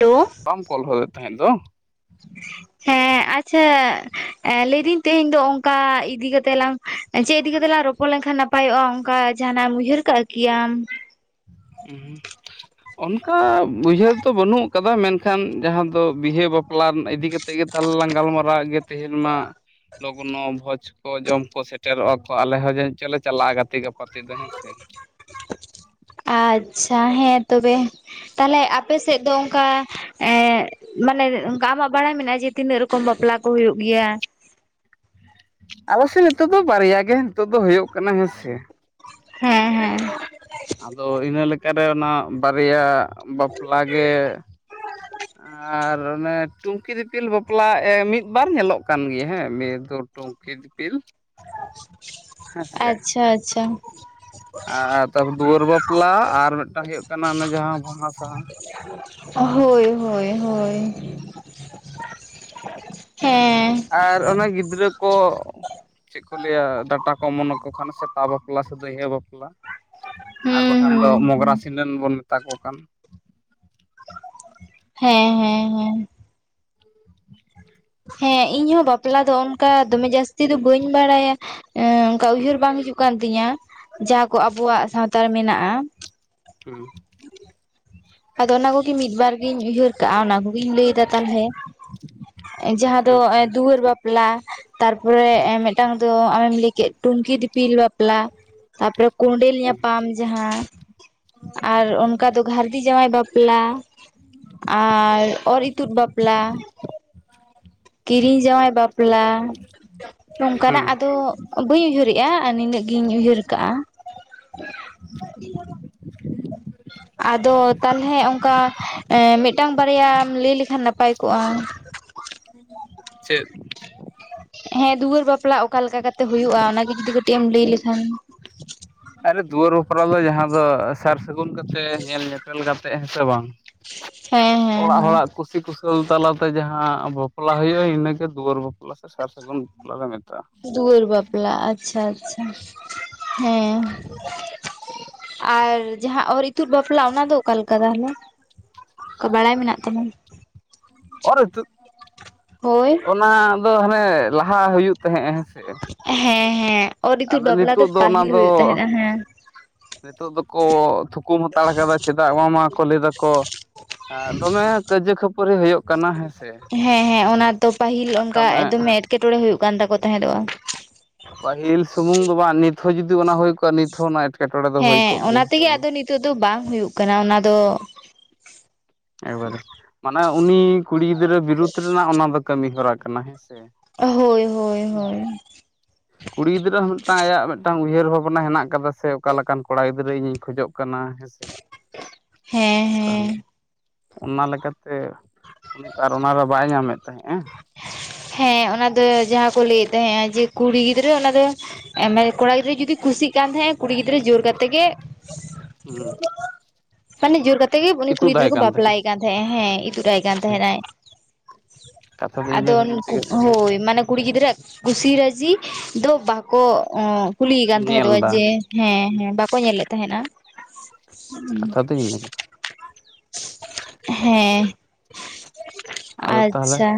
Hello ᱵᱟᱢ ᱠᱚᱞ ᱦᱚᱜᱮᱫ ᱛᱟᱦᱮᱸ ᱫᱚ ᱦᱮᱸ ᱟᱪᱪᱷᱟ ᱞᱟᱹᱭᱫᱤᱧ ᱛᱮᱦᱮᱧ ᱫᱚ ᱚᱱᱠᱟ ᱤᱫᱤ ᱠᱟᱛᱮ ᱞᱟᱝ ᱪᱮᱫ ᱤᱫᱤ ᱠᱟᱛᱮᱞᱟᱝ ᱨᱚᱯ ᱯᱷᱚᱱ ᱞᱮᱠᱷᱟᱱ ᱱᱟᱯᱟᱭᱚᱜᱼᱟ ᱚᱱᱠᱟ ᱡᱟᱦᱱᱟᱜ ᱮᱢ ᱩᱭᱦᱟᱹᱨ ᱠᱟᱜ ᱠᱤ ᱟᱢ ᱦᱩᱸ ᱚᱱᱠᱟ ᱩᱭᱦᱟᱹᱨ ᱫᱚ ᱵᱟᱹᱱᱩᱜ ᱠᱟᱫᱟ ᱢᱮᱱᱠᱷᱟᱱ ᱡᱟᱦᱟᱸ ᱫᱚ ᱵᱤᱦᱟᱹ ᱵᱟᱯᱞᱟ ᱤᱫᱤ ᱠᱟᱛᱮ ᱠᱟᱛᱮ ᱜᱮ ᱛᱟᱦᱚᱞᱮ ᱞᱟᱝ ᱜᱟᱞᱢᱟᱨᱟᱣ ᱜᱮ ᱛᱟᱦᱮᱱ ᱢᱟ ᱞᱚᱜᱚᱱᱚ ᱵᱷᱚᱡᱽ ᱠᱚ ᱡᱚᱢ ᱠᱚ ᱥᱮᱴᱮᱨᱚᱜᱼᱟ ᱠᱚ ᱟᱞᱮ ᱦᱚᱸ ᱡᱟᱱᱤᱡ ᱪᱚᱝ ᱞᱮ ᱪᱟᱞᱟᱜᱼᱟ ᱜᱟᱛᱮ ᱜᱟᱯᱟᱛᱮᱜ ᱫᱚ ᱦᱮᱸ ᱥᱮ ᱟᱪᱪᱷᱟ ᱦᱮᱸ ᱛᱚᱵᱮ ᱛᱟᱦᱚᱞᱮ ᱟᱯᱮ ᱥᱮᱫ ᱫᱚ ᱚᱱᱠᱟ ᱮᱸ ᱢᱟᱱᱮ ᱚᱱᱠᱟ ᱟᱢᱟᱜ ᱵᱟᱲᱟᱭ ᱢᱮᱱᱟᱜᱼᱟ, ᱡᱮ ᱛᱤᱱᱟᱹᱜ ᱨᱚᱠᱚᱢ ᱵᱟᱯᱞᱟ ᱠᱚ ᱦᱩᱭᱩᱜ ᱜᱮᱭᱟ? ᱟᱞᱮ ᱥᱮ ᱱᱤᱛᱚᱜ ᱫᱚ ᱵᱟᱨᱭᱟ ᱜᱮ ᱱᱤᱛᱚᱜ ᱫᱚ ᱦᱩᱭᱩᱜ ᱠᱟᱱᱟ, ᱦᱮᱸ ᱥᱮ ᱾ ᱦᱮᱸ ᱦᱮᱸ ᱾ ᱟᱫᱚ ᱤᱱᱟᱹ ᱞᱮᱠᱟ ᱨᱮ ᱚᱱᱟ ᱵᱟᱨᱭᱟ ᱵᱟᱯᱞᱟᱜ ᱜᱮ ᱟᱸᱻᱨ ᱚᱱᱮ ᱴᱩᱢᱠᱤ ᱫᱤᱯᱤᱞ ᱵᱟᱯᱞᱟ ᱢᱤᱫᱵᱟᱨ ᱧᱮᱞᱚᱜ ᱠᱟᱱ ᱜᱮᱭᱟ ᱦᱮᱸ ᱱᱤᱭᱟᱹ ᱫᱚ ᱴᱩᱢᱠᱤ ᱫᱤᱯᱤᱞ ᱦᱮᱸᱥᱮ ᱟᱪᱪᱷᱟ ᱟᱪᱪᱷᱟ ᱟᱨ ᱛᱟᱯᱚᱨ ᱫᱩᱣᱟᱹᱨ ᱵᱟᱯᱞᱟ ᱟᱨ ᱢᱤᱫᱴᱟᱝ ᱦᱩᱭᱩᱜ ᱠᱟᱱᱟ ᱚᱱᱮ ᱡᱟᱦᱟᱸ ᱵᱟᱦᱟ ᱥᱟᱶᱦᱟ ᱦᱳᱭ ᱦᱳᱭ ᱦᱳᱭ ᱦᱮᱸ ᱟᱨ ᱚᱱᱟ ᱜᱤᱫᱽᱨᱟᱹ ᱠᱚ ᱪᱮᱫ ᱠᱚ ᱞᱟᱹᱭᱟ ᱰᱟᱴᱟ ᱠᱚ ᱚᱢᱚᱱ ᱟᱠᱚ ᱠᱷᱟᱱ ᱥᱮᱛᱟ ᱵᱟᱯᱞᱟ ᱥᱮ ᱫᱟᱹᱭᱦᱟᱹ ᱵᱟᱯᱞᱟ ᱾ ᱟᱨ ᱦᱩᱸ ᱵᱟᱠᱷᱟᱱ ᱫᱚ ᱦᱩᱸ ᱢᱚᱜᱽᱨᱟ ᱥᱤᱱᱟᱹᱱ ᱵᱚᱱ ᱢᱮᱛᱟ ᱠᱚ ᱠᱟᱱ ᱾ ᱦᱮᱸ ᱦᱮᱸ ᱦᱮᱸ ᱤᱧ ᱦᱚᱸ ᱵᱟᱯᱞᱟ ᱫᱚ ᱚᱱᱠᱟ ᱫᱚᱢᱮ ᱡᱟᱹᱥᱛᱤ ᱫᱚ ᱵᱟᱹᱧ ᱵᱟᱲᱟᱭᱟ ᱮᱸ ᱠᱟ ᱩᱭᱦᱟᱹᱨ ᱵᱟᱝ ᱦᱤᱡᱩᱜ ᱠᱟᱱ ᱛᱤᱧᱟᱹ ᱡᱟᱦᱟᱸ ᱠᱚ ᱟᱵᱚᱣᱟᱜ ᱥᱟᱶᱛᱟ ᱮ ᱢᱮᱱᱟᱜᱼᱟ ᱾ ᱦᱩᱸ ᱾ ᱟᱫᱚ ᱚᱱᱟ ᱠᱚᱜᱤ ᱢᱤᱫ ᱵᱟᱨ ᱜᱤᱧ ᱩᱭᱦᱟᱹᱨ ᱠᱟᱜᱼᱟ, ᱚᱱᱟ ᱚᱱᱟᱜᱤᱧ ᱞᱟᱹᱭ ᱫᱟ ᱛᱟᱞᱦᱮ ᱡᱟᱦᱟᱸ ᱫᱚ ᱟᱪᱪᱷᱟ ᱫᱩᱣᱟᱹᱨ ᱵᱟᱯᱞᱟ ᱛᱟᱨᱯᱚᱨᱮ ᱦᱩᱸ ᱮᱸ ᱢᱮ ᱴᱟᱝ ᱫᱚ ᱟᱢᱮᱢ ᱞᱟᱹᱭ ᱠᱮᱫ ᱴᱩᱝᱠᱤ ᱫᱤᱯᱤᱞ ᱵᱟᱯᱞᱟ ᱾ ᱛᱟᱯᱚᱨᱮ ᱠᱳᱸᱰᱮᱞ ᱦᱩᱸ ᱧᱟᱯᱟᱢ ᱡᱟᱦᱟᱸ ᱟᱨ ᱚᱱᱠᱟ ᱫᱚ ᱜᱟᱹᱨᱫᱤ ᱡᱟᱶᱟᱭ ᱵᱟᱯᱞᱟ ᱾ ᱟᱨ ᱚᱨᱼᱤᱛᱩᱫ ᱵᱟᱯᱞᱟ ᱾ ᱠᱤᱨᱤ ᱡᱟᱶᱟᱭ ᱵᱟᱯᱞᱟ, ᱱᱚᱝᱠᱟ ᱦᱩᱸ ᱱᱟᱜ ᱟᱫᱚ ᱵᱟᱹᱧ ᱩᱭᱦᱟᱹᱨᱮᱜᱼᱟ ᱟᱨ ᱱᱤᱱᱟᱹᱜ ᱜᱤᱧ ᱩᱭᱦᱟᱹᱨ ᱠᱟᱜᱼᱟ ᱾ ᱟᱫᱚ ᱛᱟᱞᱦᱮᱮ ᱚᱱᱠᱟ ᱢᱤᱫᱴᱟᱝ ᱵᱟᱨᱭᱟᱢ ᱞᱟᱹᱭ ᱞᱮᱠᱷᱟᱱ ᱱᱟᱯᱟᱭ ᱠᱚᱜᱼᱟ ᱾ [inaudible] ᱪᱮᱫ? ᱦᱮᱸ ᱫᱩᱣᱟᱹᱨ ᱵᱟᱯᱞᱟ ᱚᱠᱟ ᱞᱮᱠᱟ ᱠᱟᱛᱮ ᱦᱩᱭᱩᱜᱼᱟ ᱚᱱᱟᱜᱮ ᱡᱩᱫᱤ ᱠᱟᱹᱴᱤᱡ ᱮᱢ ᱞᱟᱹᱭ ᱞᱮᱠᱷᱟᱱ ᱾ ᱟᱨᱮ ᱫᱩᱣᱟᱹᱨ ᱵᱟᱯᱞᱟ ᱫᱚ ᱡᱟᱦᱟᱸ ᱫᱚ ᱥᱟᱨ ᱥᱟᱹᱜᱩᱱ ᱠᱟᱛᱮ ᱧᱮᱞ ᱧᱮᱯᱮᱞ ᱠᱟᱛᱮᱜ ᱦᱮᱸ ᱥᱮ ᱵᱟᱝ? ᱦᱮᱸ ᱦᱮᱸ ᱚᱲᱟᱜ ᱦᱮᱸ ᱦᱚᱲᱟᱜ ᱠᱩᱥᱤᱼᱠᱩᱥᱟᱹᱞ ᱛᱟᱞᱟᱛᱮ ᱡᱟᱦᱟᱸ ᱵᱟᱯᱞᱟ ᱦᱩᱭᱩᱜᱼᱟ ᱤᱱᱟᱹᱜᱮ ᱫᱩᱣᱟᱹᱨ ᱵᱟᱯᱞᱟ ᱾ ᱥᱟᱨ ᱥᱟᱹᱜᱩᱱ ᱵᱟᱯᱞᱟ ᱞᱮ ᱢᱮᱛᱟᱜᱼᱟ ᱾ ᱯᱞᱟ ᱟᱪᱪᱷᱟ, ᱟᱪᱪᱷᱟ, ᱦᱮᱸ ᱾ ᱟᱨ ᱡᱟᱦᱟᱸ ᱚᱨᱼᱤᱛᱩᱫ ᱵᱟᱯᱞᱟ ᱚᱱᱟ ᱫᱚ ᱚᱠᱟ ᱞᱮᱠᱟ ᱛᱟᱦᱚᱞᱮ? ᱠᱚ ᱵᱟᱲᱟᱭ ᱢᱮᱱᱟᱜ ᱛᱟᱢᱟ ᱚᱨᱼᱤᱛᱩᱫ, ᱦᱳᱭ ᱚᱱᱟ ᱫᱚ ᱦᱟᱱᱮ ᱞᱟᱦᱟ ᱦᱩᱭᱩᱜ ᱛᱟᱦᱮᱸᱜ, ᱦᱮᱸᱥᱮ? ᱦᱮᱸ ᱦᱮᱸ, ᱚᱨᱼᱤᱛᱩᱫ ᱟᱫᱚ ᱵᱟᱯᱞᱟ ᱫᱚ ᱱᱤᱛᱚᱜ ᱚᱱᱟ ᱯᱟᱹᱦᱤᱞ ᱦᱩᱭᱩᱜ ᱫᱚ ᱛᱟᱦᱮᱸᱜᱼᱟ ᱦᱮᱸ ᱾ ᱱᱤᱛᱚᱜ ᱫᱚᱠᱚ ᱛᱷᱩᱠᱩᱢ ᱦᱟᱛᱟᱲ ᱠᱟᱫᱟ ᱪᱮ ᱫᱟ ᱚᱱᱟ ᱢᱟᱢᱟ ᱠᱚ ᱞᱟᱹᱭ ᱫᱟᱠᱚ ᱫᱚᱢᱮ ᱠᱟᱹᱭᱡᱟ ᱠᱷᱟᱹᱯᱟᱹᱨᱤ ᱦᱩᱭᱩᱜ ᱠᱟᱱᱟ ᱦᱮᱸᱥᱮ ᱦᱮᱸ ᱦᱮᱸ, ᱚᱱᱟ ᱛᱚ ᱯᱟᱹᱦᱤᱞ ᱥᱟᱵ ᱚᱱᱠᱟ ᱠᱟᱜ ᱢᱮ ᱫᱚᱢᱮ ᱮᱴᱠᱮᱼᱴᱚᱬᱮ ᱦᱩᱭᱩᱜ ᱠᱟᱱ ᱛᱟᱠᱚ ᱛᱟᱦᱮᱸᱫᱚᱜᱼᱟ ᱾ ᱯᱟᱹᱦᱤᱞ ᱥᱩᱢᱩᱝ ᱫᱚ ᱵᱟᱝ ᱱᱤᱛ ᱦᱚᱸ ᱡᱩᱫᱤ ᱚᱱᱟ ᱦᱩᱭ ᱠᱚᱜᱼᱟ, ᱱᱤᱛ ᱦᱚᱸ ᱚᱱᱟ ᱮᱴᱠᱮᱼᱴᱚᱬᱮ ᱫᱚ ᱦᱩᱭ ᱠᱚᱜ ᱜᱮᱭᱟ ᱚᱱᱟ ᱦᱮᱸ ᱥᱮ ᱛᱮᱜᱮ ᱵᱟᱝ? ᱟᱫᱚ ᱱᱤᱛᱚᱜ ᱫᱚ ᱵᱟᱝ ᱦᱩᱭᱩᱜ ᱠᱟᱱᱟ ᱚᱱᱟ ᱫᱚ ᱾ ᱮᱠᱵᱟᱨᱮ ᱢᱟᱱᱮ ᱩᱱᱤ ᱠᱩᱲᱤ ᱜᱤᱫᱽᱨᱟᱹ ᱵᱤᱨᱩᱫ ᱨᱮᱱᱟᱜ ᱚᱱᱟ ᱫᱚ ᱠᱟᱹᱢᱤ ᱦᱚᱨᱟ ᱠᱟᱱᱟ ᱦᱮᱸᱥ ᱮ ᱦᱳᱭ ᱦᱳᱭ ᱩᱸᱦ ᱦᱳᱭ [inaudible] ᱠᱩᱲᱤ ᱜᱤᱫᱽᱨᱟᱹ ᱦᱚᱸ ᱢᱤᱫᱴᱟᱝ ᱟᱭᱟᱜ ᱢᱤᱫᱴᱟᱝ ᱩᱭᱦᱟᱹᱨ ᱵᱷᱟᱵᱽᱱᱟ ᱦᱮᱱᱟᱜ ᱠᱟᱫᱟ ᱥᱮ ᱚᱠᱟ ᱞᱮᱠᱟᱱ ᱠᱚᱲᱟ ᱜᱤᱫᱽᱨᱟᱹ ᱤᱧᱤᱧ ᱠᱷᱚᱡᱚᱜ ᱠᱟᱱᱟ ᱾ ᱦᱮᱸᱥ [unintelligible] ᱦᱮᱸ ᱦᱮᱸ ᱾ ᱚᱱᱟ ᱞᱮᱠᱟ ᱛᱮ ᱩᱱᱤ ᱛᱚ ᱟᱨ ᱚᱱᱟᱨᱮ ᱵᱟᱭ ᱧᱟᱢᱮᱫ ᱛᱟᱦᱮᱸᱜᱼᱟ ᱾ ᱦᱮᱸ ᱚᱱᱟ ᱫᱚ ᱡᱟᱦᱟᱸ ᱠᱚ ᱞᱟᱹᱭᱮᱫ ᱛᱟᱦᱮᱸᱱᱟ ᱡᱮ ᱠᱩᱲᱤ ᱜᱤᱫᱽᱨᱟᱹ ᱚᱱᱟ ᱫᱚ ᱮᱸ ᱢᱮ ᱠᱚᱲᱟ ᱜᱤᱫᱽᱨᱟᱹ ᱡᱩᱫᱤ ᱠᱩᱥᱤᱜ ᱠᱟᱱ ᱛᱟᱦᱮᱸᱫ ᱮ ᱠᱩᱲᱤ ᱜᱤᱫᱽᱨᱟᱹ ᱡᱳᱨ ᱠᱟᱛᱮᱜ ᱜᱮ ᱦᱩᱸ ᱾ ᱢᱟᱱᱮ ᱡᱳᱨ ᱠᱟᱛᱮᱜ ᱜᱮ ᱩᱱᱤ ᱠᱩᱲᱤ ᱜᱤᱫᱽᱨᱟᱹ ᱠᱚ ᱵᱟᱯᱞᱟᱭᱮ ᱠᱟᱱ ᱛᱟᱦᱮᱸᱜᱱᱟ ᱦᱮᱸ ᱤᱛᱩᱫ ᱟᱭ ᱠᱟᱱ ᱴᱷᱤᱠ ᱛᱟᱦᱮᱸᱱᱟᱭ ᱾ ᱠᱟᱛᱷᱟ ᱫᱚ ᱤᱱᱟᱹ ᱟᱫᱚ ᱠᱷᱟᱹᱛᱤᱨ ᱱᱳᱠᱩ ᱛᱮᱜᱮ ᱥᱮ ᱦᱚᱸᱭ ᱢᱟᱱᱮ ᱠᱩᱲᱤ ᱜᱤᱫᱽᱨᱟᱹ ᱠᱩᱥᱤ ᱨᱟᱹᱡᱤ ᱫᱚ ᱵᱟᱠᱚ ᱠᱩᱞᱤᱭᱮ ᱠᱟᱱ ᱛᱟᱦᱮᱸᱫᱼᱟ ᱧᱮᱞ ᱫᱟ ᱡᱮ ᱦᱮᱸᱼᱦᱮᱸ, ᱵᱟᱠᱚ ᱧᱮᱞ ᱞᱮᱫ ᱛᱟᱦᱮᱸᱫᱼᱟ ᱾ ᱠᱟᱛᱷᱟ ᱫᱚ [unintelligible] ᱦᱮᱸ, ᱟᱫᱚ ᱛᱟᱦᱚᱞᱮ ᱟᱪᱼᱪᱷᱟ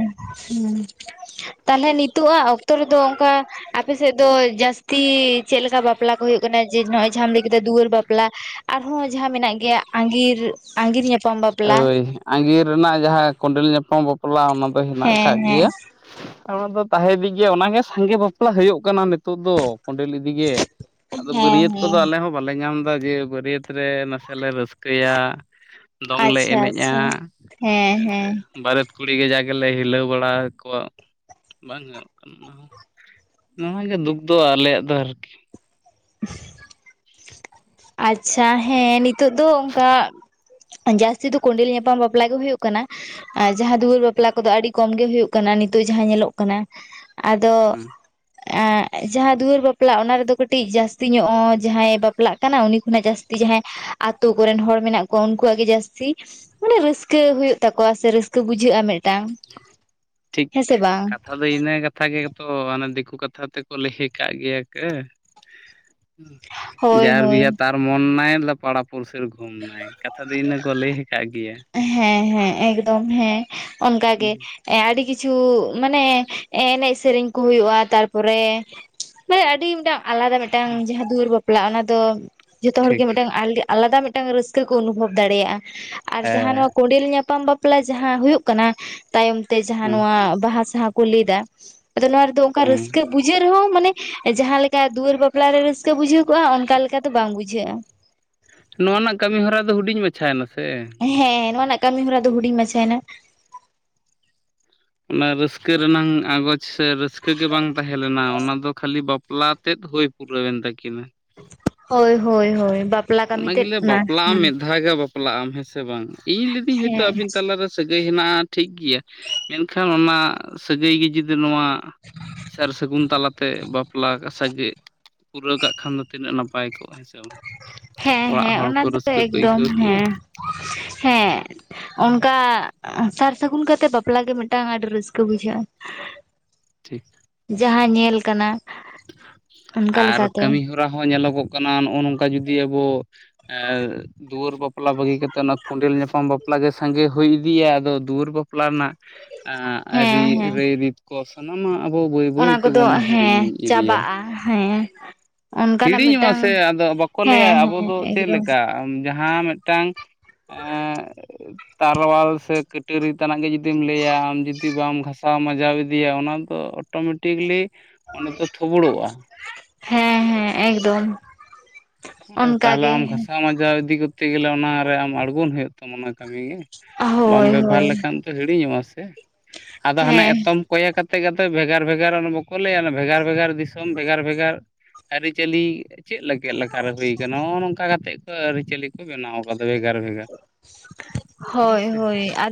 ᱦᱩᱸ ᱾ ᱛᱟᱦᱞᱮ ᱱᱤᱛᱚᱜ ᱟᱜ ᱚᱠᱛᱚ ᱨᱮᱫᱚ ᱚᱱᱠᱟ ᱟᱯᱮ ᱥᱮᱫ ᱫᱚ ᱡᱟᱹᱟᱥ ᱛᱤ ᱪᱮᱫ ᱞᱮᱠᱟ ᱵᱟᱯᱞᱟ ᱠᱚ ᱦᱩᱭᱩᱜ ᱠᱟᱱᱟ ᱡᱮ ᱱᱚᱜᱼᱚᱭ ᱡᱟᱦᱟᱸᱢ ᱞᱟᱹᱭ ᱠᱮᱫᱟ ᱫᱩᱣᱟᱹᱨ ᱵᱟᱯᱞᱟ ᱟᱨᱦᱚᱸ ᱡᱟᱦᱟᱸ ᱢᱮᱱᱟᱜ ᱜᱮᱭᱟ ᱟᱸᱜᱤᱨ ᱟᱸᱜᱤᱨ ᱧᱟᱯᱟᱢ [unintelligible] ᱟᱹᱭ ᱟᱸᱜᱤᱨ ᱨᱮᱱᱟᱜ ᱡᱟᱦᱟᱸ ᱠᱳᱸᱰᱮᱞ ᱧᱟᱯᱟᱢ ᱵᱟᱯᱞᱟ ᱚᱱᱟ ᱫᱚ ᱦᱮᱱᱟᱜ ᱦᱮᱸ ᱠᱟᱜ ᱦᱮᱸ ᱜᱤᱭᱟ ᱾ ᱚᱱᱟ ᱫᱚ ᱛᱟᱦᱮᱸ ᱤᱫᱤᱜ ᱜᱮᱭᱟ ᱚᱱᱟ ᱜᱮ ᱥᱟᱸᱜᱮ ᱵᱟᱯᱞᱟ ᱦᱩᱭᱩᱜ ᱠᱟᱱᱟ ᱱᱤᱛᱳ ᱫᱚ, ᱠᱳᱸᱰᱮᱞ ᱤᱫ ᱤᱭᱟᱜᱤ ᱟᱫᱚ ᱦᱮᱸ ᱵᱟᱹᱨᱭᱟᱹᱛ ᱦᱮᱸ ᱠᱚᱫᱚ ᱟᱞᱮ ᱦᱚᱸ ᱵᱟᱞᱮ ᱧᱟᱢ ᱮᱫᱟ ᱡᱮ ᱵᱟᱹᱨᱭᱟᱹᱛ ᱨᱮ ᱱᱟᱥᱮ ᱞᱮ ᱨᱟᱹᱥᱠᱟ ᱨᱤᱠᱟᱹᱭᱟ ᱫᱚᱝ ᱞᱮ ᱟᱪᱪᱷᱟ ᱮᱱᱮᱡᱼᱟ ᱟᱪᱪᱷᱟ ᱾ ᱦᱮᱸ ᱥᱮ? ᱵᱟᱨᱮᱛ ᱠᱩᱲᱤ ᱜᱮ ᱡᱟ ᱜᱮᱞᱮ ᱦᱤᱞᱟᱹᱣ ᱵᱟᱲᱟ ᱠᱚᱣᱟ ᱵᱟᱝ ᱜᱟᱱᱚᱜ ᱠᱟᱱᱟ ᱚᱱᱟ ᱦᱚᱸ ᱾ ᱱᱚᱣᱟ ᱜᱮ ᱫᱩᱠ ᱫᱚ ᱟᱞᱮᱭᱟᱜ ᱫᱚ ᱟᱨᱠᱤ ᱾ [inaudible] ᱟᱪᱪᱷᱟ ᱦᱮᱸ ᱱᱤᱛᱚᱜ ᱫᱚ ᱚᱱᱠᱟ ᱡᱟᱹᱥᱛᱤ ᱫᱚ ᱠᱚᱸᱰᱮᱞ ᱧᱟᱯᱟᱢ ᱵᱟᱯᱞᱟ ᱜᱮ ᱦᱩᱭᱩᱜ ᱠᱟᱱᱟ ᱾ ᱟᱨ ᱡᱟᱦᱟᱸ ᱫᱚ ᱦᱚᱸᱭ ᱵᱟᱯᱞᱟ ᱠᱚᱫᱚ ᱟᱹᱰᱤ ᱠᱚᱢ ᱜᱮ ᱦᱩᱭᱩᱜ ᱠᱟᱱᱟ ᱱᱤᱛᱚᱜ ᱡᱟᱦᱟᱸ ᱧᱮᱞᱚᱜ ᱠᱟᱱᱟ ᱾ ᱟᱫᱚ ᱦᱮᱸ ᱡᱟᱦᱟᱸ ᱫᱩᱣᱟᱹᱨ ᱵᱟᱯᱞᱟ ᱚᱱᱟ ᱨᱮᱫᱚ ᱠᱟᱹᱴᱤᱡ ᱡᱟᱹᱥᱛᱤ ᱧᱚᱜᱼᱟ ᱡᱟᱦᱟᱸᱭ ᱵᱟᱯᱞᱟᱜ ᱠᱟᱱᱟ ᱩᱱᱤ ᱠᱷᱚᱱᱟᱜ ᱡᱟᱹᱥᱛᱤ ᱡᱟᱦᱟᱸᱭ ᱟᱛᱳ ᱠᱚᱨᱮᱱ ᱦᱚᱲ ᱢᱮᱱᱟᱜ ᱠᱚᱣᱟ ᱩᱱᱠᱩᱣᱟᱜ ᱜᱮ ᱡᱟᱹᱥᱛᱤ ᱢᱟᱱᱮ ᱨᱟᱹᱥᱠᱟᱹ ᱦᱩᱭᱩᱜ ᱛᱟᱠᱚᱣᱟ ᱥᱮ ᱨᱟᱹᱥᱠᱟᱹ ᱵᱩᱡᱷᱟᱹᱜᱼᱟ [inaudible] ᱴᱷᱤᱠ ᱦᱮᱸ ᱥᱮ ᱵᱟᱝ [unintelligible] ᱟᱫᱚ ᱤᱱᱟᱹ ᱠᱟᱛᱷᱟ ᱜᱮᱛᱚ ᱚᱱᱮ ᱫᱤᱠᱩ ᱠᱟᱛᱷᱟ ᱛᱮᱠᱚ ᱞᱟᱹᱭ ᱠᱟᱜ ᱜᱮᱭᱟ [unintelligible] ᱦᱳᱭ ᱡᱟᱨ ᱦᱳᱭ ᱵᱤᱦᱟ ᱛᱟᱨ ᱢᱚᱱ ᱱᱟᱭ ᱯᱟᱲᱟ ᱯᱩᱲᱥᱤᱨ ᱜᱷᱩᱢ ᱱᱟᱭ ᱠᱟᱛᱷᱟ ᱫᱚ ᱤᱱᱟ ᱠᱚ ᱞᱟᱹᱭ ᱠᱟᱜ ᱜᱮᱭᱟ ᱦᱮᱸ ᱦᱮᱸ ᱮᱠᱫᱚᱢ ᱦᱮᱸ ᱚᱱᱠᱟ ᱜᱮ ᱟᱹᱰᱤ ᱠᱤᱪᱷᱩ ᱢᱟᱱᱮ ᱮᱱᱮᱡ ᱥᱮᱨᱮᱧ ᱠᱚ ᱦᱩᱭᱩᱜᱼᱟ ᱛᱟᱨᱯᱚᱨᱮ ᱢᱟᱱᱮ ᱟᱹᱰᱤ ᱢᱤᱫᱴᱟᱝ ᱟᱞᱟᱫᱟ ᱢᱤᱫᱴᱟᱝ ᱡᱟᱦᱟᱸ ᱫᱩᱣᱟᱹᱨ ᱵᱟᱯᱞᱟ ᱚᱱᱟ ᱫᱚ ᱡᱚᱛᱚ ᱦᱚᱲ ᱜᱮ ᱴᱷᱤᱠ ᱢᱤᱫᱴᱟᱝ [unintelligible] ᱟᱞᱟᱫᱟ ᱢᱤᱫᱴᱟᱝ ᱨᱟᱹᱥᱠᱟᱹ ᱠᱚ ᱚᱱᱩᱵᱷᱚᱵ ᱫᱟᱲᱮᱭᱟᱜᱼᱟ ᱟᱨ ᱡᱟᱦᱟᱸ ᱦᱮᱸ ᱱᱚᱣᱟ ᱠᱚᱸᱰᱮᱞ ᱧᱟᱯᱟᱢ ᱵᱟᱯ [unintelligible] ᱡᱟᱦᱟᱸ ᱦᱩᱭᱩᱜ ᱠᱟᱱᱟ ᱛᱟᱭᱚᱢ ᱛᱮ ᱡᱟᱦᱟᱸ ᱦᱩᱸ ᱱᱚᱣᱟ ᱵᱟᱦᱟ ᱥᱟᱦᱟ ᱠᱚ ᱞᱟᱹᱭ ᱫᱟ ᱟᱫᱚ ᱱᱚᱣᱟ ᱨᱮᱫᱚ ᱚᱱᱠᱟ ᱦᱩᱸ ᱨᱟᱹᱥᱠᱟᱹ ᱵᱩᱡᱷᱟᱹᱜ ᱨᱮᱦᱚᱸ ᱢᱟᱱᱮ ᱡᱟᱦᱟᱸ ᱞᱮᱠᱟ ᱫᱩᱣᱟᱹᱨ ᱵᱟᱯᱞᱟᱨᱮ ᱨᱟᱹᱥᱠᱟᱹ ᱵᱩᱡᱷᱟᱹᱣ ᱠᱚᱜᱼᱟ ᱚᱱᱠᱟ ᱞᱮᱠᱟ ᱫᱚ ᱵᱟᱝ ᱵᱩᱡᱷᱟᱹᱜᱼᱟ ᱱᱚᱣᱟ ᱨᱮᱱᱟᱜ ᱠᱟᱹᱢᱤ ᱦᱚᱨᱟ ᱫᱚ ᱦᱩᱰᱤᱧ ᱢᱟᱪᱷᱟ ᱭᱮᱱᱟ ᱥᱮ ᱦᱮᱸ ᱱᱚᱣᱟ ᱨᱮᱱᱟᱜ ᱠᱟᱹᱢᱤ ᱦᱚᱨᱟ ᱫᱚ ᱦᱩᱰᱤᱧ ᱢᱟᱪᱷᱟ ᱭᱮᱱᱟ ᱚᱱᱟ ᱨᱟᱹᱥᱠᱟᱹ ᱨᱮᱱᱟᱝ ᱟᱸᱜᱚᱡᱽ ᱥᱮ ᱨᱟᱹᱥᱠᱟᱹ ᱜᱮ ᱵᱟᱝ ᱛᱟᱦᱮᱸ ᱞᱮᱱᱟ ᱚᱱᱟ ᱫᱚ ᱠᱷᱟᱹᱞᱤ ᱵᱟᱯᱞᱟ ᱛᱮᱫ ᱦᱩᱭ ᱯᱩᱨᱟᱹᱣᱮᱱ ᱛᱟᱹᱠᱤᱱᱟ ᱦᱳᱭ ᱦᱳᱭ ᱦᱳᱭ ᱵᱟᱯᱞᱟ ᱠᱟᱹᱢᱤ ᱛᱮᱫ [unintelligible] [unintelligible] ᱵᱟᱯᱞᱟᱜᱼᱟᱢ ᱦᱮᱸ ᱥᱮ ᱵᱟᱝ ᱤᱧ ᱞᱤᱫᱤᱧ ᱦᱳᱭᱛᱳ ᱦᱮᱸ ᱟᱵᱤᱱ ᱛᱟᱞᱟᱨᱮ ᱥᱟᱹᱜᱟᱹᱭ ᱦᱮᱱᱟᱜᱼᱟ ᱴᱷᱤᱠ ᱜᱮᱭᱟ ᱢᱮᱱᱠᱷᱟᱱ ᱚᱱᱟ ᱥᱟᱹᱜᱟᱹᱭ ᱜᱮ ᱡᱩᱫᱤ ᱱᱚᱣᱟ ᱥᱟᱨ ᱥᱟᱹᱜᱩᱱ ᱛᱟᱞᱟᱛᱮ ᱵᱟᱯᱞᱟ ᱥᱟᱜᱮ ᱯᱩᱨᱟᱹᱣ ᱠᱟᱜ ᱠᱷᱟᱱ ᱫᱚ ᱛᱤᱱᱟᱹᱜ ᱱᱟᱯᱟᱭ ᱠᱚᱜᱼᱟ ᱦᱮᱸᱥᱮ ᱦᱮᱸ ᱦᱮᱸ ᱚᱱᱟ ᱫᱚ ᱠᱚ ᱮᱠᱫᱚᱢ ᱟᱹᱭᱠᱟᱹᱣ ᱠᱮᱭᱟ ᱦᱮᱸ ᱦᱮᱸ ᱚᱱᱠᱟ ᱥᱟᱨ ᱥᱟᱹᱜᱩᱱ ᱠᱟᱛᱮ ᱵᱟᱯᱞᱟ ᱜᱮ ᱢᱤᱫᱴᱟᱱ ᱟᱹᱰᱤ ᱨᱟᱹᱥᱠᱟᱹ ᱵᱩᱡᱷᱟᱹᱜᱼᱟ ᱴᱷᱤᱠ ᱡᱟᱦᱟᱸ ᱧᱮᱞ ᱠᱟᱱᱟ ᱚᱱᱠᱟ ᱟᱨ ᱞᱮᱠᱟᱛᱮ ᱠᱟᱹᱢᱤ ᱦᱚᱨᱟ ᱦᱚᱸ ᱧᱮᱞᱚᱜᱚᱜ ᱠᱟᱱᱟ ᱱᱚᱜᱼᱚ ᱱᱚᱝᱠᱟ ᱡᱩᱫᱤ ᱟᱵᱚ [unintelligible] ᱫᱩᱣᱟᱹᱨ ᱵᱟᱯᱞᱟ ᱵᱟᱹᱜᱤ ᱠᱟᱛᱮᱜ ᱚᱱᱟ ᱠᱚᱸᱰᱮᱞ ᱧᱟᱯᱟᱢ ᱵᱟᱯᱞᱟ ᱜᱮ ᱥᱟᱸᱜᱮ ᱦᱩᱭ ᱤᱫᱤᱭᱟ ᱟᱫᱚ ᱫᱩᱣᱟᱹᱨ ᱵᱟᱯᱞᱟ ᱨᱮᱱᱟᱜ ᱟ ᱦᱮᱸ ᱨᱤ ᱦᱮᱸ ᱨᱟᱹᱭ ᱨᱤᱛ ᱠᱚ ᱥᱟᱱᱟᱢᱟᱜ ᱟᱵᱚ ᱵᱟᱹᱭ ᱵᱟᱹᱭ ᱚᱱᱟ ᱠᱚᱫᱚ ᱛᱮᱵᱚᱱ ᱦᱮᱸ ᱦᱤᱲᱤᱧ ᱪᱟᱵᱟᱜᱼᱟ ᱦᱮᱸ ᱚᱱᱠᱟᱱᱟᱜ ᱦᱤᱲᱤᱧᱚᱜ-ᱟ ᱢᱤᱫᱴᱟᱝ ᱥᱮ ᱟᱫᱚ ᱵᱟᱠᱚ ᱦᱮᱸ ᱞᱟᱹᱭᱟ ᱟᱵᱚ ᱦᱮᱸ ᱫᱚ ᱪᱮᱫ ᱮᱠᱫᱚᱢ ᱞᱮᱠᱟ ᱡᱟᱦᱟᱸ ᱢᱤᱫᱴᱟᱝ ᱛᱟᱨᱣᱟᱞ ᱥᱮ ᱠᱟᱹᱴᱟᱹᱨᱤ ᱛᱮᱟᱱᱟᱜ ᱜᱮ [unintelligible] ᱡᱩᱫᱤᱢ ᱞᱟᱹᱭᱟ ᱟᱢ ᱡᱩᱫᱤ ᱵᱟᱢ ᱜᱷᱟᱥᱟᱣ ᱢᱟᱡᱟᱣ ᱤᱫᱤᱭᱟ ᱚᱱᱟ ᱫᱚ ᱚᱴᱳᱢᱮᱴᱤᱠᱞᱤ ᱚᱱᱟ ᱫᱚ ᱛᱷᱳᱵᱽᱲᱳᱜᱼᱟ ᱦᱮᱸ ᱦᱮᱸ ᱮᱠᱫᱚᱢ ᱛᱟᱦᱚᱞᱮ ᱚᱱᱠᱟᱜᱮ ᱟᱢ ᱜᱷᱟᱥᱟᱣ ᱢᱟᱡᱟᱣ ᱤᱫᱤ ᱠᱚᱛᱛᱮ ᱜᱮᱞᱮ ᱚᱱᱟᱨᱮ ᱟᱢ ᱟᱲᱜᱚᱱ ᱦᱩᱭᱩᱜ ᱛᱟᱢᱟ ᱚᱱᱟ ᱠᱟᱹᱢᱤ ᱜᱮ ᱵᱟᱢ ᱦᱳᱭ ᱵᱮᱵᱷᱟᱨ ᱦᱳᱭ ᱞᱮᱠᱷᱟᱱ ᱫᱚ ᱦᱤᱲᱤᱧᱚᱜᱼᱟ ᱥᱮ ᱟᱫᱚ ᱦᱟᱱᱮ ᱦᱮᱸ ᱮᱛᱚᱢ ᱠᱚᱭᱮ ᱠᱟᱛᱮ ᱠᱟᱛᱮ ᱵᱷᱮᱜᱟᱨ ᱵᱷᱮᱜᱟᱨ ᱚᱱᱟ ᱵᱟᱠᱚ ᱞᱟᱹᱭᱟ ᱵᱷᱮᱜᱟᱨ ᱵᱷᱮᱜᱟᱨ ᱫᱤᱥᱚᱢ ᱵᱷᱮᱜᱟᱨ ᱵᱷᱮᱜᱟᱨ ᱟᱹᱨᱤᱪᱟᱹᱞᱤ ᱪᱮᱫ ᱞᱮᱠᱮ ᱞᱮᱠᱟᱨᱮ ᱦᱩᱭ ᱠᱟᱱᱟ ᱱᱚᱜ-ᱚ ᱱᱚᱝᱠᱟ ᱠᱟᱛᱮᱫ ᱠᱚ ᱟᱹᱨᱤᱪᱟᱹᱞᱤ ᱠᱚ ᱵᱮᱱᱟᱣ [unintelligible] ᱡᱟᱭᱜᱟ ᱨᱮ [unintelligible] ᱦᱳᱭᱥᱮ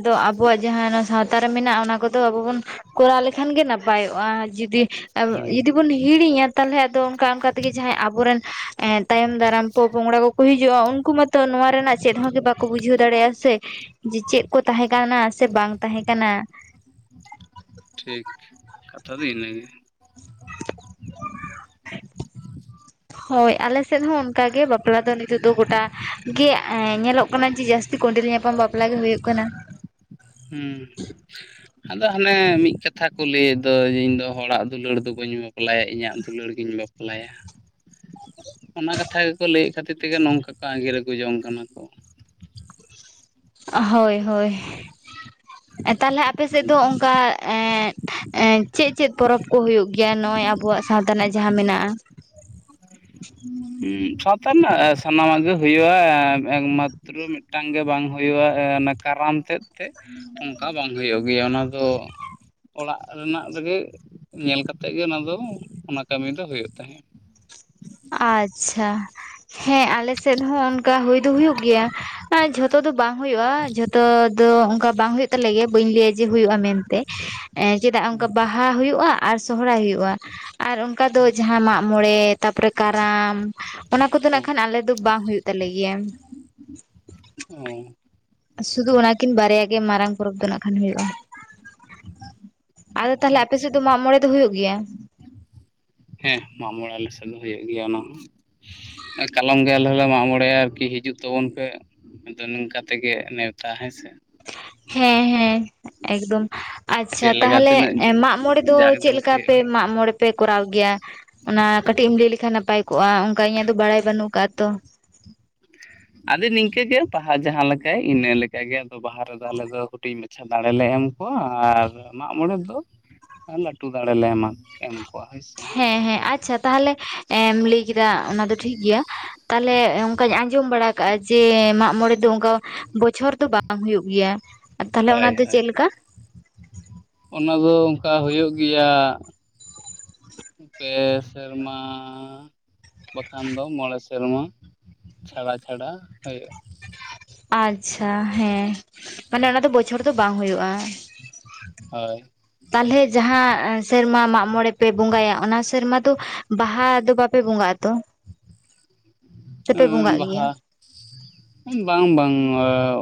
ᱫᱚ ᱟᱵᱚᱣᱟᱜ ᱡᱟᱦᱟᱸ ᱥᱟᱶᱛᱟ ᱨᱮ ᱢᱮᱱᱟᱜ ᱚᱱᱟ ᱠᱚᱫᱚ ᱟᱵᱚ ᱵᱚᱱ ᱠᱚᱨᱟᱣ ᱞᱮᱠᱷᱟᱱ ᱜᱮ ᱱᱟᱯᱟᱭᱚᱜᱼᱟ ᱡᱩᱫᱤ ᱟᱨ ᱦᱮᱸ ᱡᱩᱫᱤ ᱵᱚᱱ ᱦᱤᱲᱤᱧᱟ ᱛᱟᱦᱚᱞᱮ ᱟᱫᱚ ᱚᱱᱠᱟ ᱚᱱᱠᱟ ᱛᱮᱜᱮ ᱡᱟᱦᱟᱸᱭ ᱟᱵᱚᱨᱮᱱ ᱛᱟᱭᱚᱢ ᱫᱟᱨᱟᱢ ᱯᱚᱼᱯᱚᱝᱲᱟᱸ ᱠᱚᱠᱚ ᱦᱤᱡᱩᱜᱼᱟ ᱩᱱᱠᱩ ᱢᱟᱛᱚ ᱱᱚᱣᱟ ᱨᱮᱱᱟᱜ ᱪᱮᱫ ᱦᱚᱸ ᱜᱮ ᱵᱟᱠᱚ ᱵᱩᱡᱷᱟᱹᱣ ᱫᱟᱲᱮᱭᱟᱜᱼᱟ ᱥᱮ ᱡᱮ ᱪᱮᱫ ᱠᱚ ᱛᱟᱦᱮᱸ ᱠᱟᱱᱟ ᱥᱮ ᱵᱟᱝ ᱛᱟᱦᱮᱸ ᱠᱟᱱᱟ ᱴᱷᱤᱠ ᱠᱟᱛᱷᱟ ᱫᱚ ᱤᱱᱟᱹᱜᱮ [inaudible] ᱦᱳᱭ ᱟᱞᱮ ᱥᱮᱫ ᱦᱚᱸ ᱚᱱᱠᱟᱜ ᱜᱮ ᱵᱟᱯᱞᱟ ᱫᱚ ᱱᱤᱛᱳᱜ ᱫᱚ ᱜᱚᱴᱟ ᱜᱮ ᱧᱮᱞᱚᱜ ᱠᱟᱱᱟ ᱡᱮ ᱡᱟᱹᱥᱛᱤ ᱠᱚᱸᱰᱮᱞ ᱧᱟᱯᱟᱢ ᱵᱟᱯᱞᱟ ᱜᱮ ᱦᱩᱭᱩᱜ ᱠᱟᱱᱟ ᱾ ᱦᱮᱸ ᱾ ᱟᱫᱚ ᱦᱟᱱᱮ ᱢᱤᱫ ᱠᱟᱛᱷᱟ ᱠᱚ ᱞᱟᱹᱭᱮᱫ ᱫᱚ ᱤᱧ ᱫᱚ ᱦᱚᱲᱟᱜ ᱫᱩᱞᱟᱹᱲ ᱫᱚ ᱵᱟᱹᱧ ᱵᱟᱯᱞᱟ-ᱟ ᱾ ᱵᱟᱯᱞᱟᱭᱟ ᱤᱧᱟᱹᱜ ᱫᱩᱞᱟᱹᱲ ᱜᱤᱧ ᱵᱟᱯᱞᱟᱭᱟ ᱾ ᱚᱱᱟ ᱠᱟᱛᱷᱟ ᱜᱮᱠᱚ ᱞᱟᱹᱭᱮᱫ ᱠᱷᱟᱹᱛᱤᱨ ᱛᱮᱜᱮ ᱱᱚᱝᱠᱟ ᱠᱚ ᱟᱸᱜᱤᱨ ᱟᱜᱩ ᱡᱚᱝ ᱠᱟᱱᱟ ᱠᱚ ᱾ ᱦᱳᱭ ᱦᱳᱭ ᱛᱟᱦᱚᱞᱮ ᱟᱯᱮ ᱥᱮᱫ ᱫᱚ ᱚᱱᱠᱟ ᱮᱸ ᱮᱸ ᱪᱮᱫ ᱪᱮᱫ ᱯᱚᱨᱚᱵᱽ ᱠᱚ ᱦᱩᱭᱩᱜ ᱜᱮᱭᱟ ᱱᱚᱜᱼᱚᱭ ᱟᱵᱚᱣᱟᱜ ᱥᱟᱶᱛᱟ ᱨᱮᱱᱟᱜ ᱡᱟᱦᱟᱸ ᱢᱮᱱᱟᱜᱼᱟ? ᱥᱟᱶᱛᱟ ᱨᱮᱱᱟᱜ ᱥᱟᱱᱟᱢᱟᱜ ᱜᱮ ᱦᱩᱭᱩᱜᱼᱟ ᱮᱠᱢᱟᱛᱚ ᱩᱛᱨᱩ ᱢᱤᱫᱴᱟᱝ ᱜᱮ ᱵᱟᱝ ᱦᱩᱭᱩᱜᱼᱟ ᱚᱱᱟ ᱠᱟᱨᱟᱢ ᱛᱮᱫ ᱛᱮ ᱾ ᱚᱱᱠᱟ ᱵᱟᱝ ᱦᱩᱭᱩᱜ ᱜᱮᱭᱟ ᱚᱱᱟ ᱫᱚ ᱾ ᱚᱲᱟᱜ ᱨᱮᱱᱟᱜ ᱨᱮᱜᱮ ᱧᱮᱞ ᱠᱟᱛᱮᱫ ᱜᱮ ᱚᱱᱟ ᱫᱚ ᱚᱱᱟ ᱠᱟᱹᱢᱤ ᱫᱚ ᱦᱩᱭᱩᱜ ᱛᱟᱦᱮᱸᱫ ᱾ ᱟᱪᱪᱷᱟ ᱦᱮᱸ ᱟᱞᱮᱥᱮᱫ ᱦᱚᱸ ᱚᱱᱠᱟ ᱦᱩᱭ ᱫᱚ ᱦᱩᱭᱩᱜ ᱜᱮᱭᱟ ᱟᱨ ᱡᱚᱛᱚ ᱡᱷᱚᱛᱚ ᱫᱚ ᱵᱟᱝ ᱦᱩᱭᱩᱜᱼᱟ ᱡᱷᱚᱛᱚ ᱫᱚ ᱚᱱᱠᱟ ᱵᱟᱝ ᱦᱩᱭᱩᱜ ᱛᱟᱞᱮ ᱜᱮ ᱵᱟᱹᱧ ᱞᱟᱹᱭᱟ ᱡᱮ ᱦᱩᱭᱩᱜᱼᱟ ᱢᱮᱱᱛᱮ ᱪᱮᱫᱟᱜ ᱚᱱᱠᱟ ᱵᱟᱦᱟ ᱦᱩᱭᱩᱜᱼᱟ ᱟᱨ ᱥᱚᱦᱚᱨᱟᱭ ᱦᱩᱭᱩᱜᱼᱟ ᱾ ᱟᱨ ᱚᱱᱠᱟ ᱫᱚ ᱡᱟᱦᱟᱸ ᱢᱟᱜ ᱢᱚᱬᱮ ᱛᱟᱨᱯᱚᱨᱮ ᱠᱟᱨᱟᱢ ᱚᱱᱟ ᱠᱚᱫᱚ ᱱᱟᱜ ᱠᱷᱟᱱ ᱟᱞᱮ ᱫᱚ ᱵᱟᱝ ᱦᱩᱭᱩᱜ ᱛᱟᱞᱮ ᱜᱮᱭᱟ ᱚ ᱾ ᱥᱩᱫᱷᱩ ᱚᱱᱟᱠᱤᱱ ᱵᱟᱨᱭᱟ ᱜᱮ ᱢᱟᱨᱟᱝ ᱯᱚᱨᱚᱵᱽ ᱫᱚ ᱱᱟᱜ ᱠᱷᱟᱱ ᱦᱩᱭᱩᱜᱼᱟ ᱾ ᱟᱫᱚ ᱛᱟᱦᱚᱞᱮ ᱟᱪᱪᱷᱟ ᱟᱯᱮᱥᱮᱫ ᱫᱚ ᱢᱟᱜᱽ ᱢᱚᱬᱮ ᱫᱚ ᱦᱩᱭᱩᱜ ᱜᱮᱭᱟ? ᱦᱮᱸ ᱢᱟᱜ ᱢᱚᱬᱮ ᱟᱞᱮ ᱥᱮᱫ ᱫᱚ ᱦᱩᱭᱩᱜ ᱜᱮᱭᱟ ᱚᱱᱟ ᱦᱚᱸ ᱾ ᱠᱟᱞᱚᱢ ᱜᱮ ᱟᱞᱮ ᱦᱚᱸᱞᱮ ᱢᱟᱜᱽ ᱢᱚᱬᱮᱭᱟ ᱟᱨᱠᱤ ᱦᱤᱡᱩᱜ ᱛᱟᱵᱚᱱ ᱯᱮ ᱾ ᱟᱫᱚ ᱱᱚᱝᱠᱟ ᱛᱮᱜᱮ ᱱᱮᱣᱛᱟ ᱦᱮᱸ ᱥᱮ ᱾ ᱦᱮᱸ ᱦᱮᱸ ᱮᱠᱫᱚᱢ ᱾ ᱟᱪᱪᱷᱟ ᱪᱮᱫ ᱞᱮᱠᱟ ᱛᱟᱦᱚᱞᱮ ᱛᱤᱱᱟᱹᱜ ᱢᱟᱜᱽ ᱢᱚᱬᱮ ᱫᱚ ᱡᱟᱠ ᱪᱮᱫ ᱡᱚᱢᱚᱠ ᱞᱮᱠᱟ ᱯᱮ ᱦᱩᱭᱩᱜᱼᱟ ᱢᱟᱜᱽ ᱢᱚᱬᱮ ᱯᱮ ᱠᱚᱨᱟᱣ ᱜᱮᱭᱟ? ᱚᱱᱟ ᱠᱟᱹᱴᱤᱡ ᱮᱢ ᱞᱟᱹᱭ ᱞᱮᱠᱷᱟᱱ ᱱᱟᱯᱟᱭ ᱠᱚᱜᱼᱟ ᱚᱱᱠᱟ ᱤᱧᱟᱹᱜ ᱫᱚ ᱵᱟᱲᱟᱭ ᱵᱟᱹᱱᱩᱜ ᱟᱠᱟᱫᱼᱟ ᱛᱚ ᱾ ᱟᱫᱚ ᱱᱤᱝᱠᱟᱹᱜᱮ ᱵᱟᱦᱟ ᱡᱟᱦᱟᱸ ᱞᱮᱠᱟᱭ ᱤᱱᱟᱹᱞᱮᱠᱟ ᱜᱮ ᱟᱫᱚ ᱵᱟᱦᱟ ᱨᱮᱫᱚ ᱟᱞᱮ ᱫᱚ ᱦᱩᱰᱤᱧ ᱢᱟᱪᱷᱟ ᱾ ᱫᱟᱲᱮᱞᱮ ᱮᱢ ᱠᱚᱣᱟ ᱟᱨ ᱢᱟᱜᱢᱚᱬᱮ ᱫᱚ ᱟᱨ ᱞᱟᱹᱴᱩ ᱫᱟᱲᱮ ᱞᱮ ᱮᱢᱟ ᱮᱢ ᱠᱚᱣᱟ ᱦᱚᱭ ᱥᱮ ᱾ ᱦᱮᱸ ᱦᱮᱸ ᱟᱪᱪᱷᱟ ᱛᱟᱦᱚᱞᱮ ᱮᱢ ᱞᱟᱹᱭ ᱠᱮᱫᱟ ᱚᱱᱟ ᱫᱚ ᱴᱷᱤᱠ ᱜᱮᱭᱟ ᱾ ᱛᱟᱦᱚᱞᱮ ᱚᱱᱠᱟᱧ ᱟᱸᱡᱚᱢ ᱵᱟᱲᱟ ᱠᱟᱜᱼᱟ ᱡᱮ ᱢᱟᱜ ᱢᱚᱬᱮ ᱫᱚ ᱚᱱᱠᱟ ᱵᱚᱪᱷᱚᱨ ᱫᱚ ᱵᱟᱝ ᱦᱩᱭᱩᱜ ᱜᱮᱭᱟ? ᱛᱟᱦᱚᱞᱮ ᱚᱱᱟ ᱦᱳᱭ ᱫᱚ ᱦᱳᱭ ᱪᱮᱫ ᱞᱮᱠᱟ ᱚᱱᱟ ᱫᱚ ᱚᱱᱠᱟ ᱦᱩᱭᱩᱜ ᱜᱮᱭᱟ ᱯᱮ ᱥᱮᱨᱢᱟ ᱵᱟᱠᱷᱟᱱ ᱫᱚ ᱢᱚᱬᱮ ᱥᱮ ᱥᱮᱨᱢᱟ ᱪᱷᱟᱲᱟ ᱪᱷᱟᱲᱟ ᱦᱩᱭᱩᱜᱼᱟ ᱟᱪᱪᱷᱟ ᱦᱮᱸ ᱢᱟᱱᱮ ᱚᱱᱟ ᱫᱚ ᱵᱚᱪᱷᱚᱨ ᱫᱚ ᱵᱟᱝ ᱦᱩᱭᱩᱜᱼᱟ ᱦᱳᱭ ᱛᱟᱦᱚᱞᱮ ᱡᱟᱦᱟᱸ ᱥᱮᱨᱢᱟ ᱢᱟᱜᱽ ᱢᱚᱬᱮ ᱯᱮ ᱵᱚᱸᱜᱟᱭᱟ ᱚᱱᱟ ᱥᱮᱨᱢᱟ ᱫᱚ ᱵᱟᱦᱟ ᱫᱚ ᱵᱟᱯᱮ ᱵᱚᱸᱜᱟ ᱟᱛᱚ? ᱦᱩᱢ ᱵᱟᱦᱟ [inaudible] ᱵᱟᱝ ᱵᱟᱝ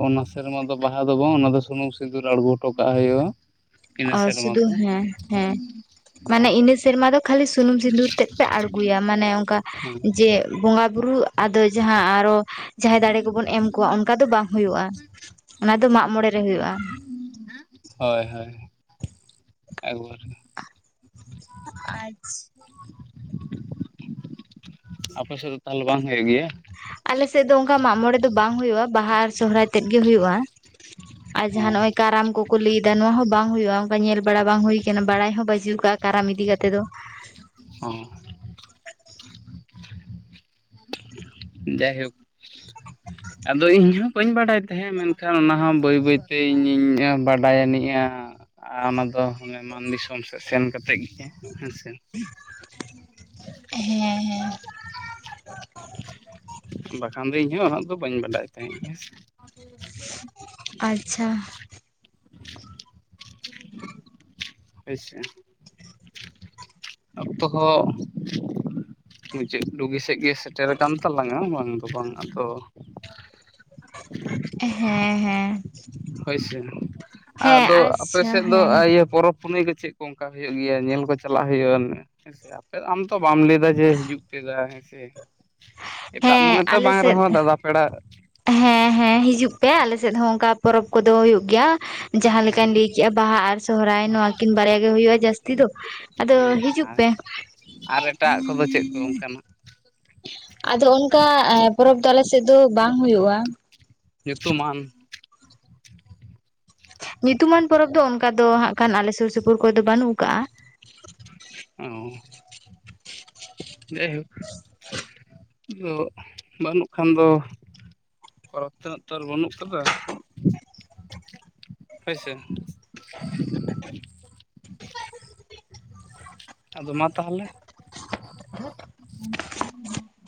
ᱚᱱᱟ ᱥᱮᱨᱢᱟ ᱫᱚ ᱵᱟᱦᱟ ᱫᱚ ᱵᱟᱝ ᱚᱱᱟ ᱫᱚ ᱥᱩᱱᱩᱢ ᱥᱤᱸᱫᱩᱨ ᱟᱬᱜᱚ ᱦᱚᱴᱚ ᱠᱟᱜ ᱦᱩᱭᱩᱜᱼᱟ ᱾ ᱚ ᱥᱩᱫᱩ ᱦᱮᱸ ᱦᱮᱸ ᱢᱟᱱᱮ ᱤᱱᱟᱹ ᱥᱮᱨᱢᱟ ᱫᱚ ᱠᱷᱟᱹᱞᱤ ᱥᱩᱱᱩᱢ ᱥᱤᱸᱫᱩᱨ ᱛᱮᱫ ᱯᱮ ᱟᱬᱜᱚᱭᱟ ᱢᱟᱱᱮ ᱚᱱᱠᱟ ᱡᱮ ᱵᱚᱸᱜᱟ ᱵᱩᱨᱩ ᱟᱫᱚ ᱡᱟᱦᱟᱸ ᱟᱨᱚ ᱡᱟᱦᱟᱸᱭ ᱫᱟᱲᱮ ᱠᱚᱵᱚᱱ ᱮᱢ ᱠᱚᱣᱟ ᱚᱱᱠᱟ ᱫᱚ ᱵᱟᱝ ᱦ ᱦᱩᱭᱩᱜᱼᱟ ᱚᱱᱟ ᱫᱚ ᱢᱟᱜ ᱢᱚᱬᱮ ᱨᱮ ᱦᱩᱭᱩᱜᱼᱟ ᱦᱳᱭ ᱦᱳᱭ ᱟᱪᱪᱷᱟ ᱟᱯᱮ ᱥᱮᱫ ᱫᱚ ᱛᱟᱦᱚᱞᱮ ᱵᱟᱝ ᱦᱩᱭᱩᱜ ᱜᱮᱭᱟ ᱟᱞᱮ ᱥᱮᱫ ᱫᱚ ᱚᱱᱠᱟ ᱢᱟᱜ ᱢᱚᱬᱮ ᱫᱚ ᱵᱟᱝ ᱦᱩᱭᱩᱜᱼᱟ ᱵᱟᱦᱟ ᱟᱨ ᱥᱚᱨᱦᱟᱭ ᱛᱮᱫ ᱜᱮ ᱦᱩᱭᱩᱜᱼᱟ ᱟᱨ ᱡᱟᱦᱟᱸ ᱚ ᱱᱚᱜᱼᱚᱭ ᱠᱟᱨᱟᱢ ᱠᱚ ᱠᱚ ᱞᱟᱹᱭᱟ ᱱᱚᱣᱟ ᱦᱚᱸ ᱵᱟᱝ ᱦᱩᱭᱩᱜᱼᱟ ᱚᱱᱠᱟ ᱧᱮᱞ ᱵᱟᱲᱟ ᱵᱟᱝ ᱦᱩᱭ ᱠᱟᱱᱟ ᱵᱟᱲᱟᱭ ᱦᱚᱸ ᱵᱟᱹᱡᱤ ᱠᱟᱜᱼᱟ ᱠᱟᱨᱟᱢ ᱤᱫᱤ ᱠᱟᱛᱮᱮᱫ ᱫᱚ ᱦ ᱡᱟᱭᱦᱳᱠ [unintelligible] ᱟᱫᱚ ᱤᱧ ᱦᱚᱸ ᱵᱟᱹᱧ ᱵᱟᱰᱟᱭ ᱛᱟᱦᱮᱸᱫ ᱢᱮᱱᱠᱷᱟᱱ ᱚᱱᱟᱦᱚ ᱵᱟᱹᱭ ᱵᱟᱹᱭᱛᱮ ᱤᱧᱤᱧ ᱵᱟᱰᱟᱭ ᱟᱹᱱᱤᱡᱼᱟ ᱟᱨ ᱚᱱᱟ ᱫᱚᱟᱱᱮ ᱢᱟᱱ ᱫᱤᱥᱚᱢ ᱥᱮᱫ ᱥᱮᱱ ᱠᱟᱛᱮᱫ ᱜᱮ ᱦᱮᱸᱥᱮ ᱦᱮᱸ ᱦᱮᱸ ᱵᱟᱠᱷᱟᱱ ᱫᱚ ᱤᱧ ᱦᱚᱸ ᱩᱱᱟᱹᱜ ᱫᱚ ᱵᱟᱹᱧ ᱵᱟᱰᱟᱭ ᱛᱟᱦᱮᱸᱫ ᱦᱮᱸ ᱟᱪᱷᱟ ᱟᱪᱪᱷᱟ [unintelligible] ᱚᱠᱛᱚ ᱦᱚᱸ ᱢᱩᱪᱟᱹᱫ ᱰᱩᱜᱤ ᱥᱮᱫ ᱜᱮ ᱥᱮᱴᱮᱨᱠᱟᱱ ᱛᱟᱞᱟᱝᱟ ᱵᱟᱝ ᱫᱚ ᱵᱟᱝ ᱟᱫᱚ ᱦᱮᱸ ᱦᱮᱸ ᱦᱳᱭᱥᱮ ᱦᱮᱸ ᱟᱫᱚ ᱟᱯᱮ ᱟᱪᱪᱷᱟ ᱥᱮᱫ ᱫᱚ ᱦᱮᱸ ᱤᱭᱟᱹ ᱯᱚᱨᱚᱵᱽ ᱯᱩᱱᱟᱹᱭ ᱠᱚ ᱪᱮᱫ ᱠᱚ ᱚᱱᱠᱟ ᱦᱩᱭᱩᱜ ᱜᱮᱭᱟ ᱧᱮᱞ ᱠᱚ ᱪᱟᱞᱟᱜ ᱦᱩᱭᱩᱜᱼᱟ ᱦᱮ ᱟᱯᱮ ᱟᱢ ᱛᱚ ᱵᱟᱢ ᱞᱟᱹᱭᱟ ᱡᱮ ᱦᱤᱡᱩᱜ ᱯᱮᱫᱟ ᱦᱮᱸᱥᱮ ᱮᱴᱟᱜ ᱦᱮᱸ ᱢᱚᱱᱮᱛᱮ ᱟᱞᱮ ᱵᱟᱝ ᱥᱮᱫ ᱨᱮᱦᱚᱸ ᱫᱟᱫᱟ ᱯᱮᱲᱟ ᱦᱮᱸ ᱦᱮᱸ ᱦᱤᱡᱩᱜ ᱯᱮ ᱟᱞᱮ ᱥᱮᱫ ᱦᱚᱸ ᱚᱱᱠᱟ ᱯᱚᱨᱚᱵᱽ ᱠᱚᱫᱚ ᱦᱩᱭᱩᱜ ᱜᱮᱭᱟ ᱡᱟᱦᱟᱸ ᱦᱩᱸ ᱞᱮᱠᱟᱧ ᱞᱟᱹᱭ ᱠᱮᱫᱜᱼᱟ ᱵᱟᱦᱟ ᱟᱨ ᱥᱚᱦᱚᱨᱟᱭ ᱱᱚᱣᱟ ᱠᱤᱱ ᱵᱟᱨᱭᱟ ᱜᱮ ᱦᱩᱸ ᱦᱩᱭᱩᱜᱼᱟ ᱡᱟᱹᱥᱛᱤ ᱫᱚ ᱟᱫᱚ ᱦᱮᱸ ᱦᱤᱡᱩᱜ ᱟᱨ ᱯᱮ ᱟᱨ ᱮᱴᱟᱜ ᱠᱚᱫᱚ ᱪᱮᱫ ᱠᱚ ᱚᱱᱠᱟ ᱟᱫᱚ ᱚᱱᱠᱟ ᱯᱚᱨᱚᱵ ᱫᱚ ᱟᱞᱮᱥᱮᱫ ᱫᱚ ᱵᱟᱝ ᱦᱩᱭᱩᱜᱼᱟ ᱧᱩᱛᱩᱢᱟᱱ ᱧᱩᱛᱩᱢᱟᱱ ᱯᱚᱨᱚᱵᱽ ᱫᱚ ᱚᱱᱠᱟ ᱫᱚ ᱦᱟᱜ ᱠᱷᱟᱱ ᱟᱞᱮ ᱥᱩᱨ ᱥᱩᱯᱩᱨ ᱠᱚᱨᱮ ᱫᱚ ᱵᱟᱹᱱᱩᱜ ᱟᱠᱟᱜᱼᱟ ᱚ ᱡᱟᱭᱦᱳ ᱟ ᱵᱟᱹᱱᱩᱜ ᱠᱷᱟᱱ ᱫᱚ ᱯᱚᱨᱚᱵᱽ ᱛᱮᱱᱟᱜ ᱛᱚ ᱵᱟᱹᱱᱩᱜ ᱟᱠᱟᱫᱟ ᱦᱳᱭ ᱥᱮ ᱟᱫᱚ ᱢᱟ ᱛᱟᱦᱚᱞᱮ ᱦ [unintelligible] ᱠᱷᱚᱱ [unintelligible]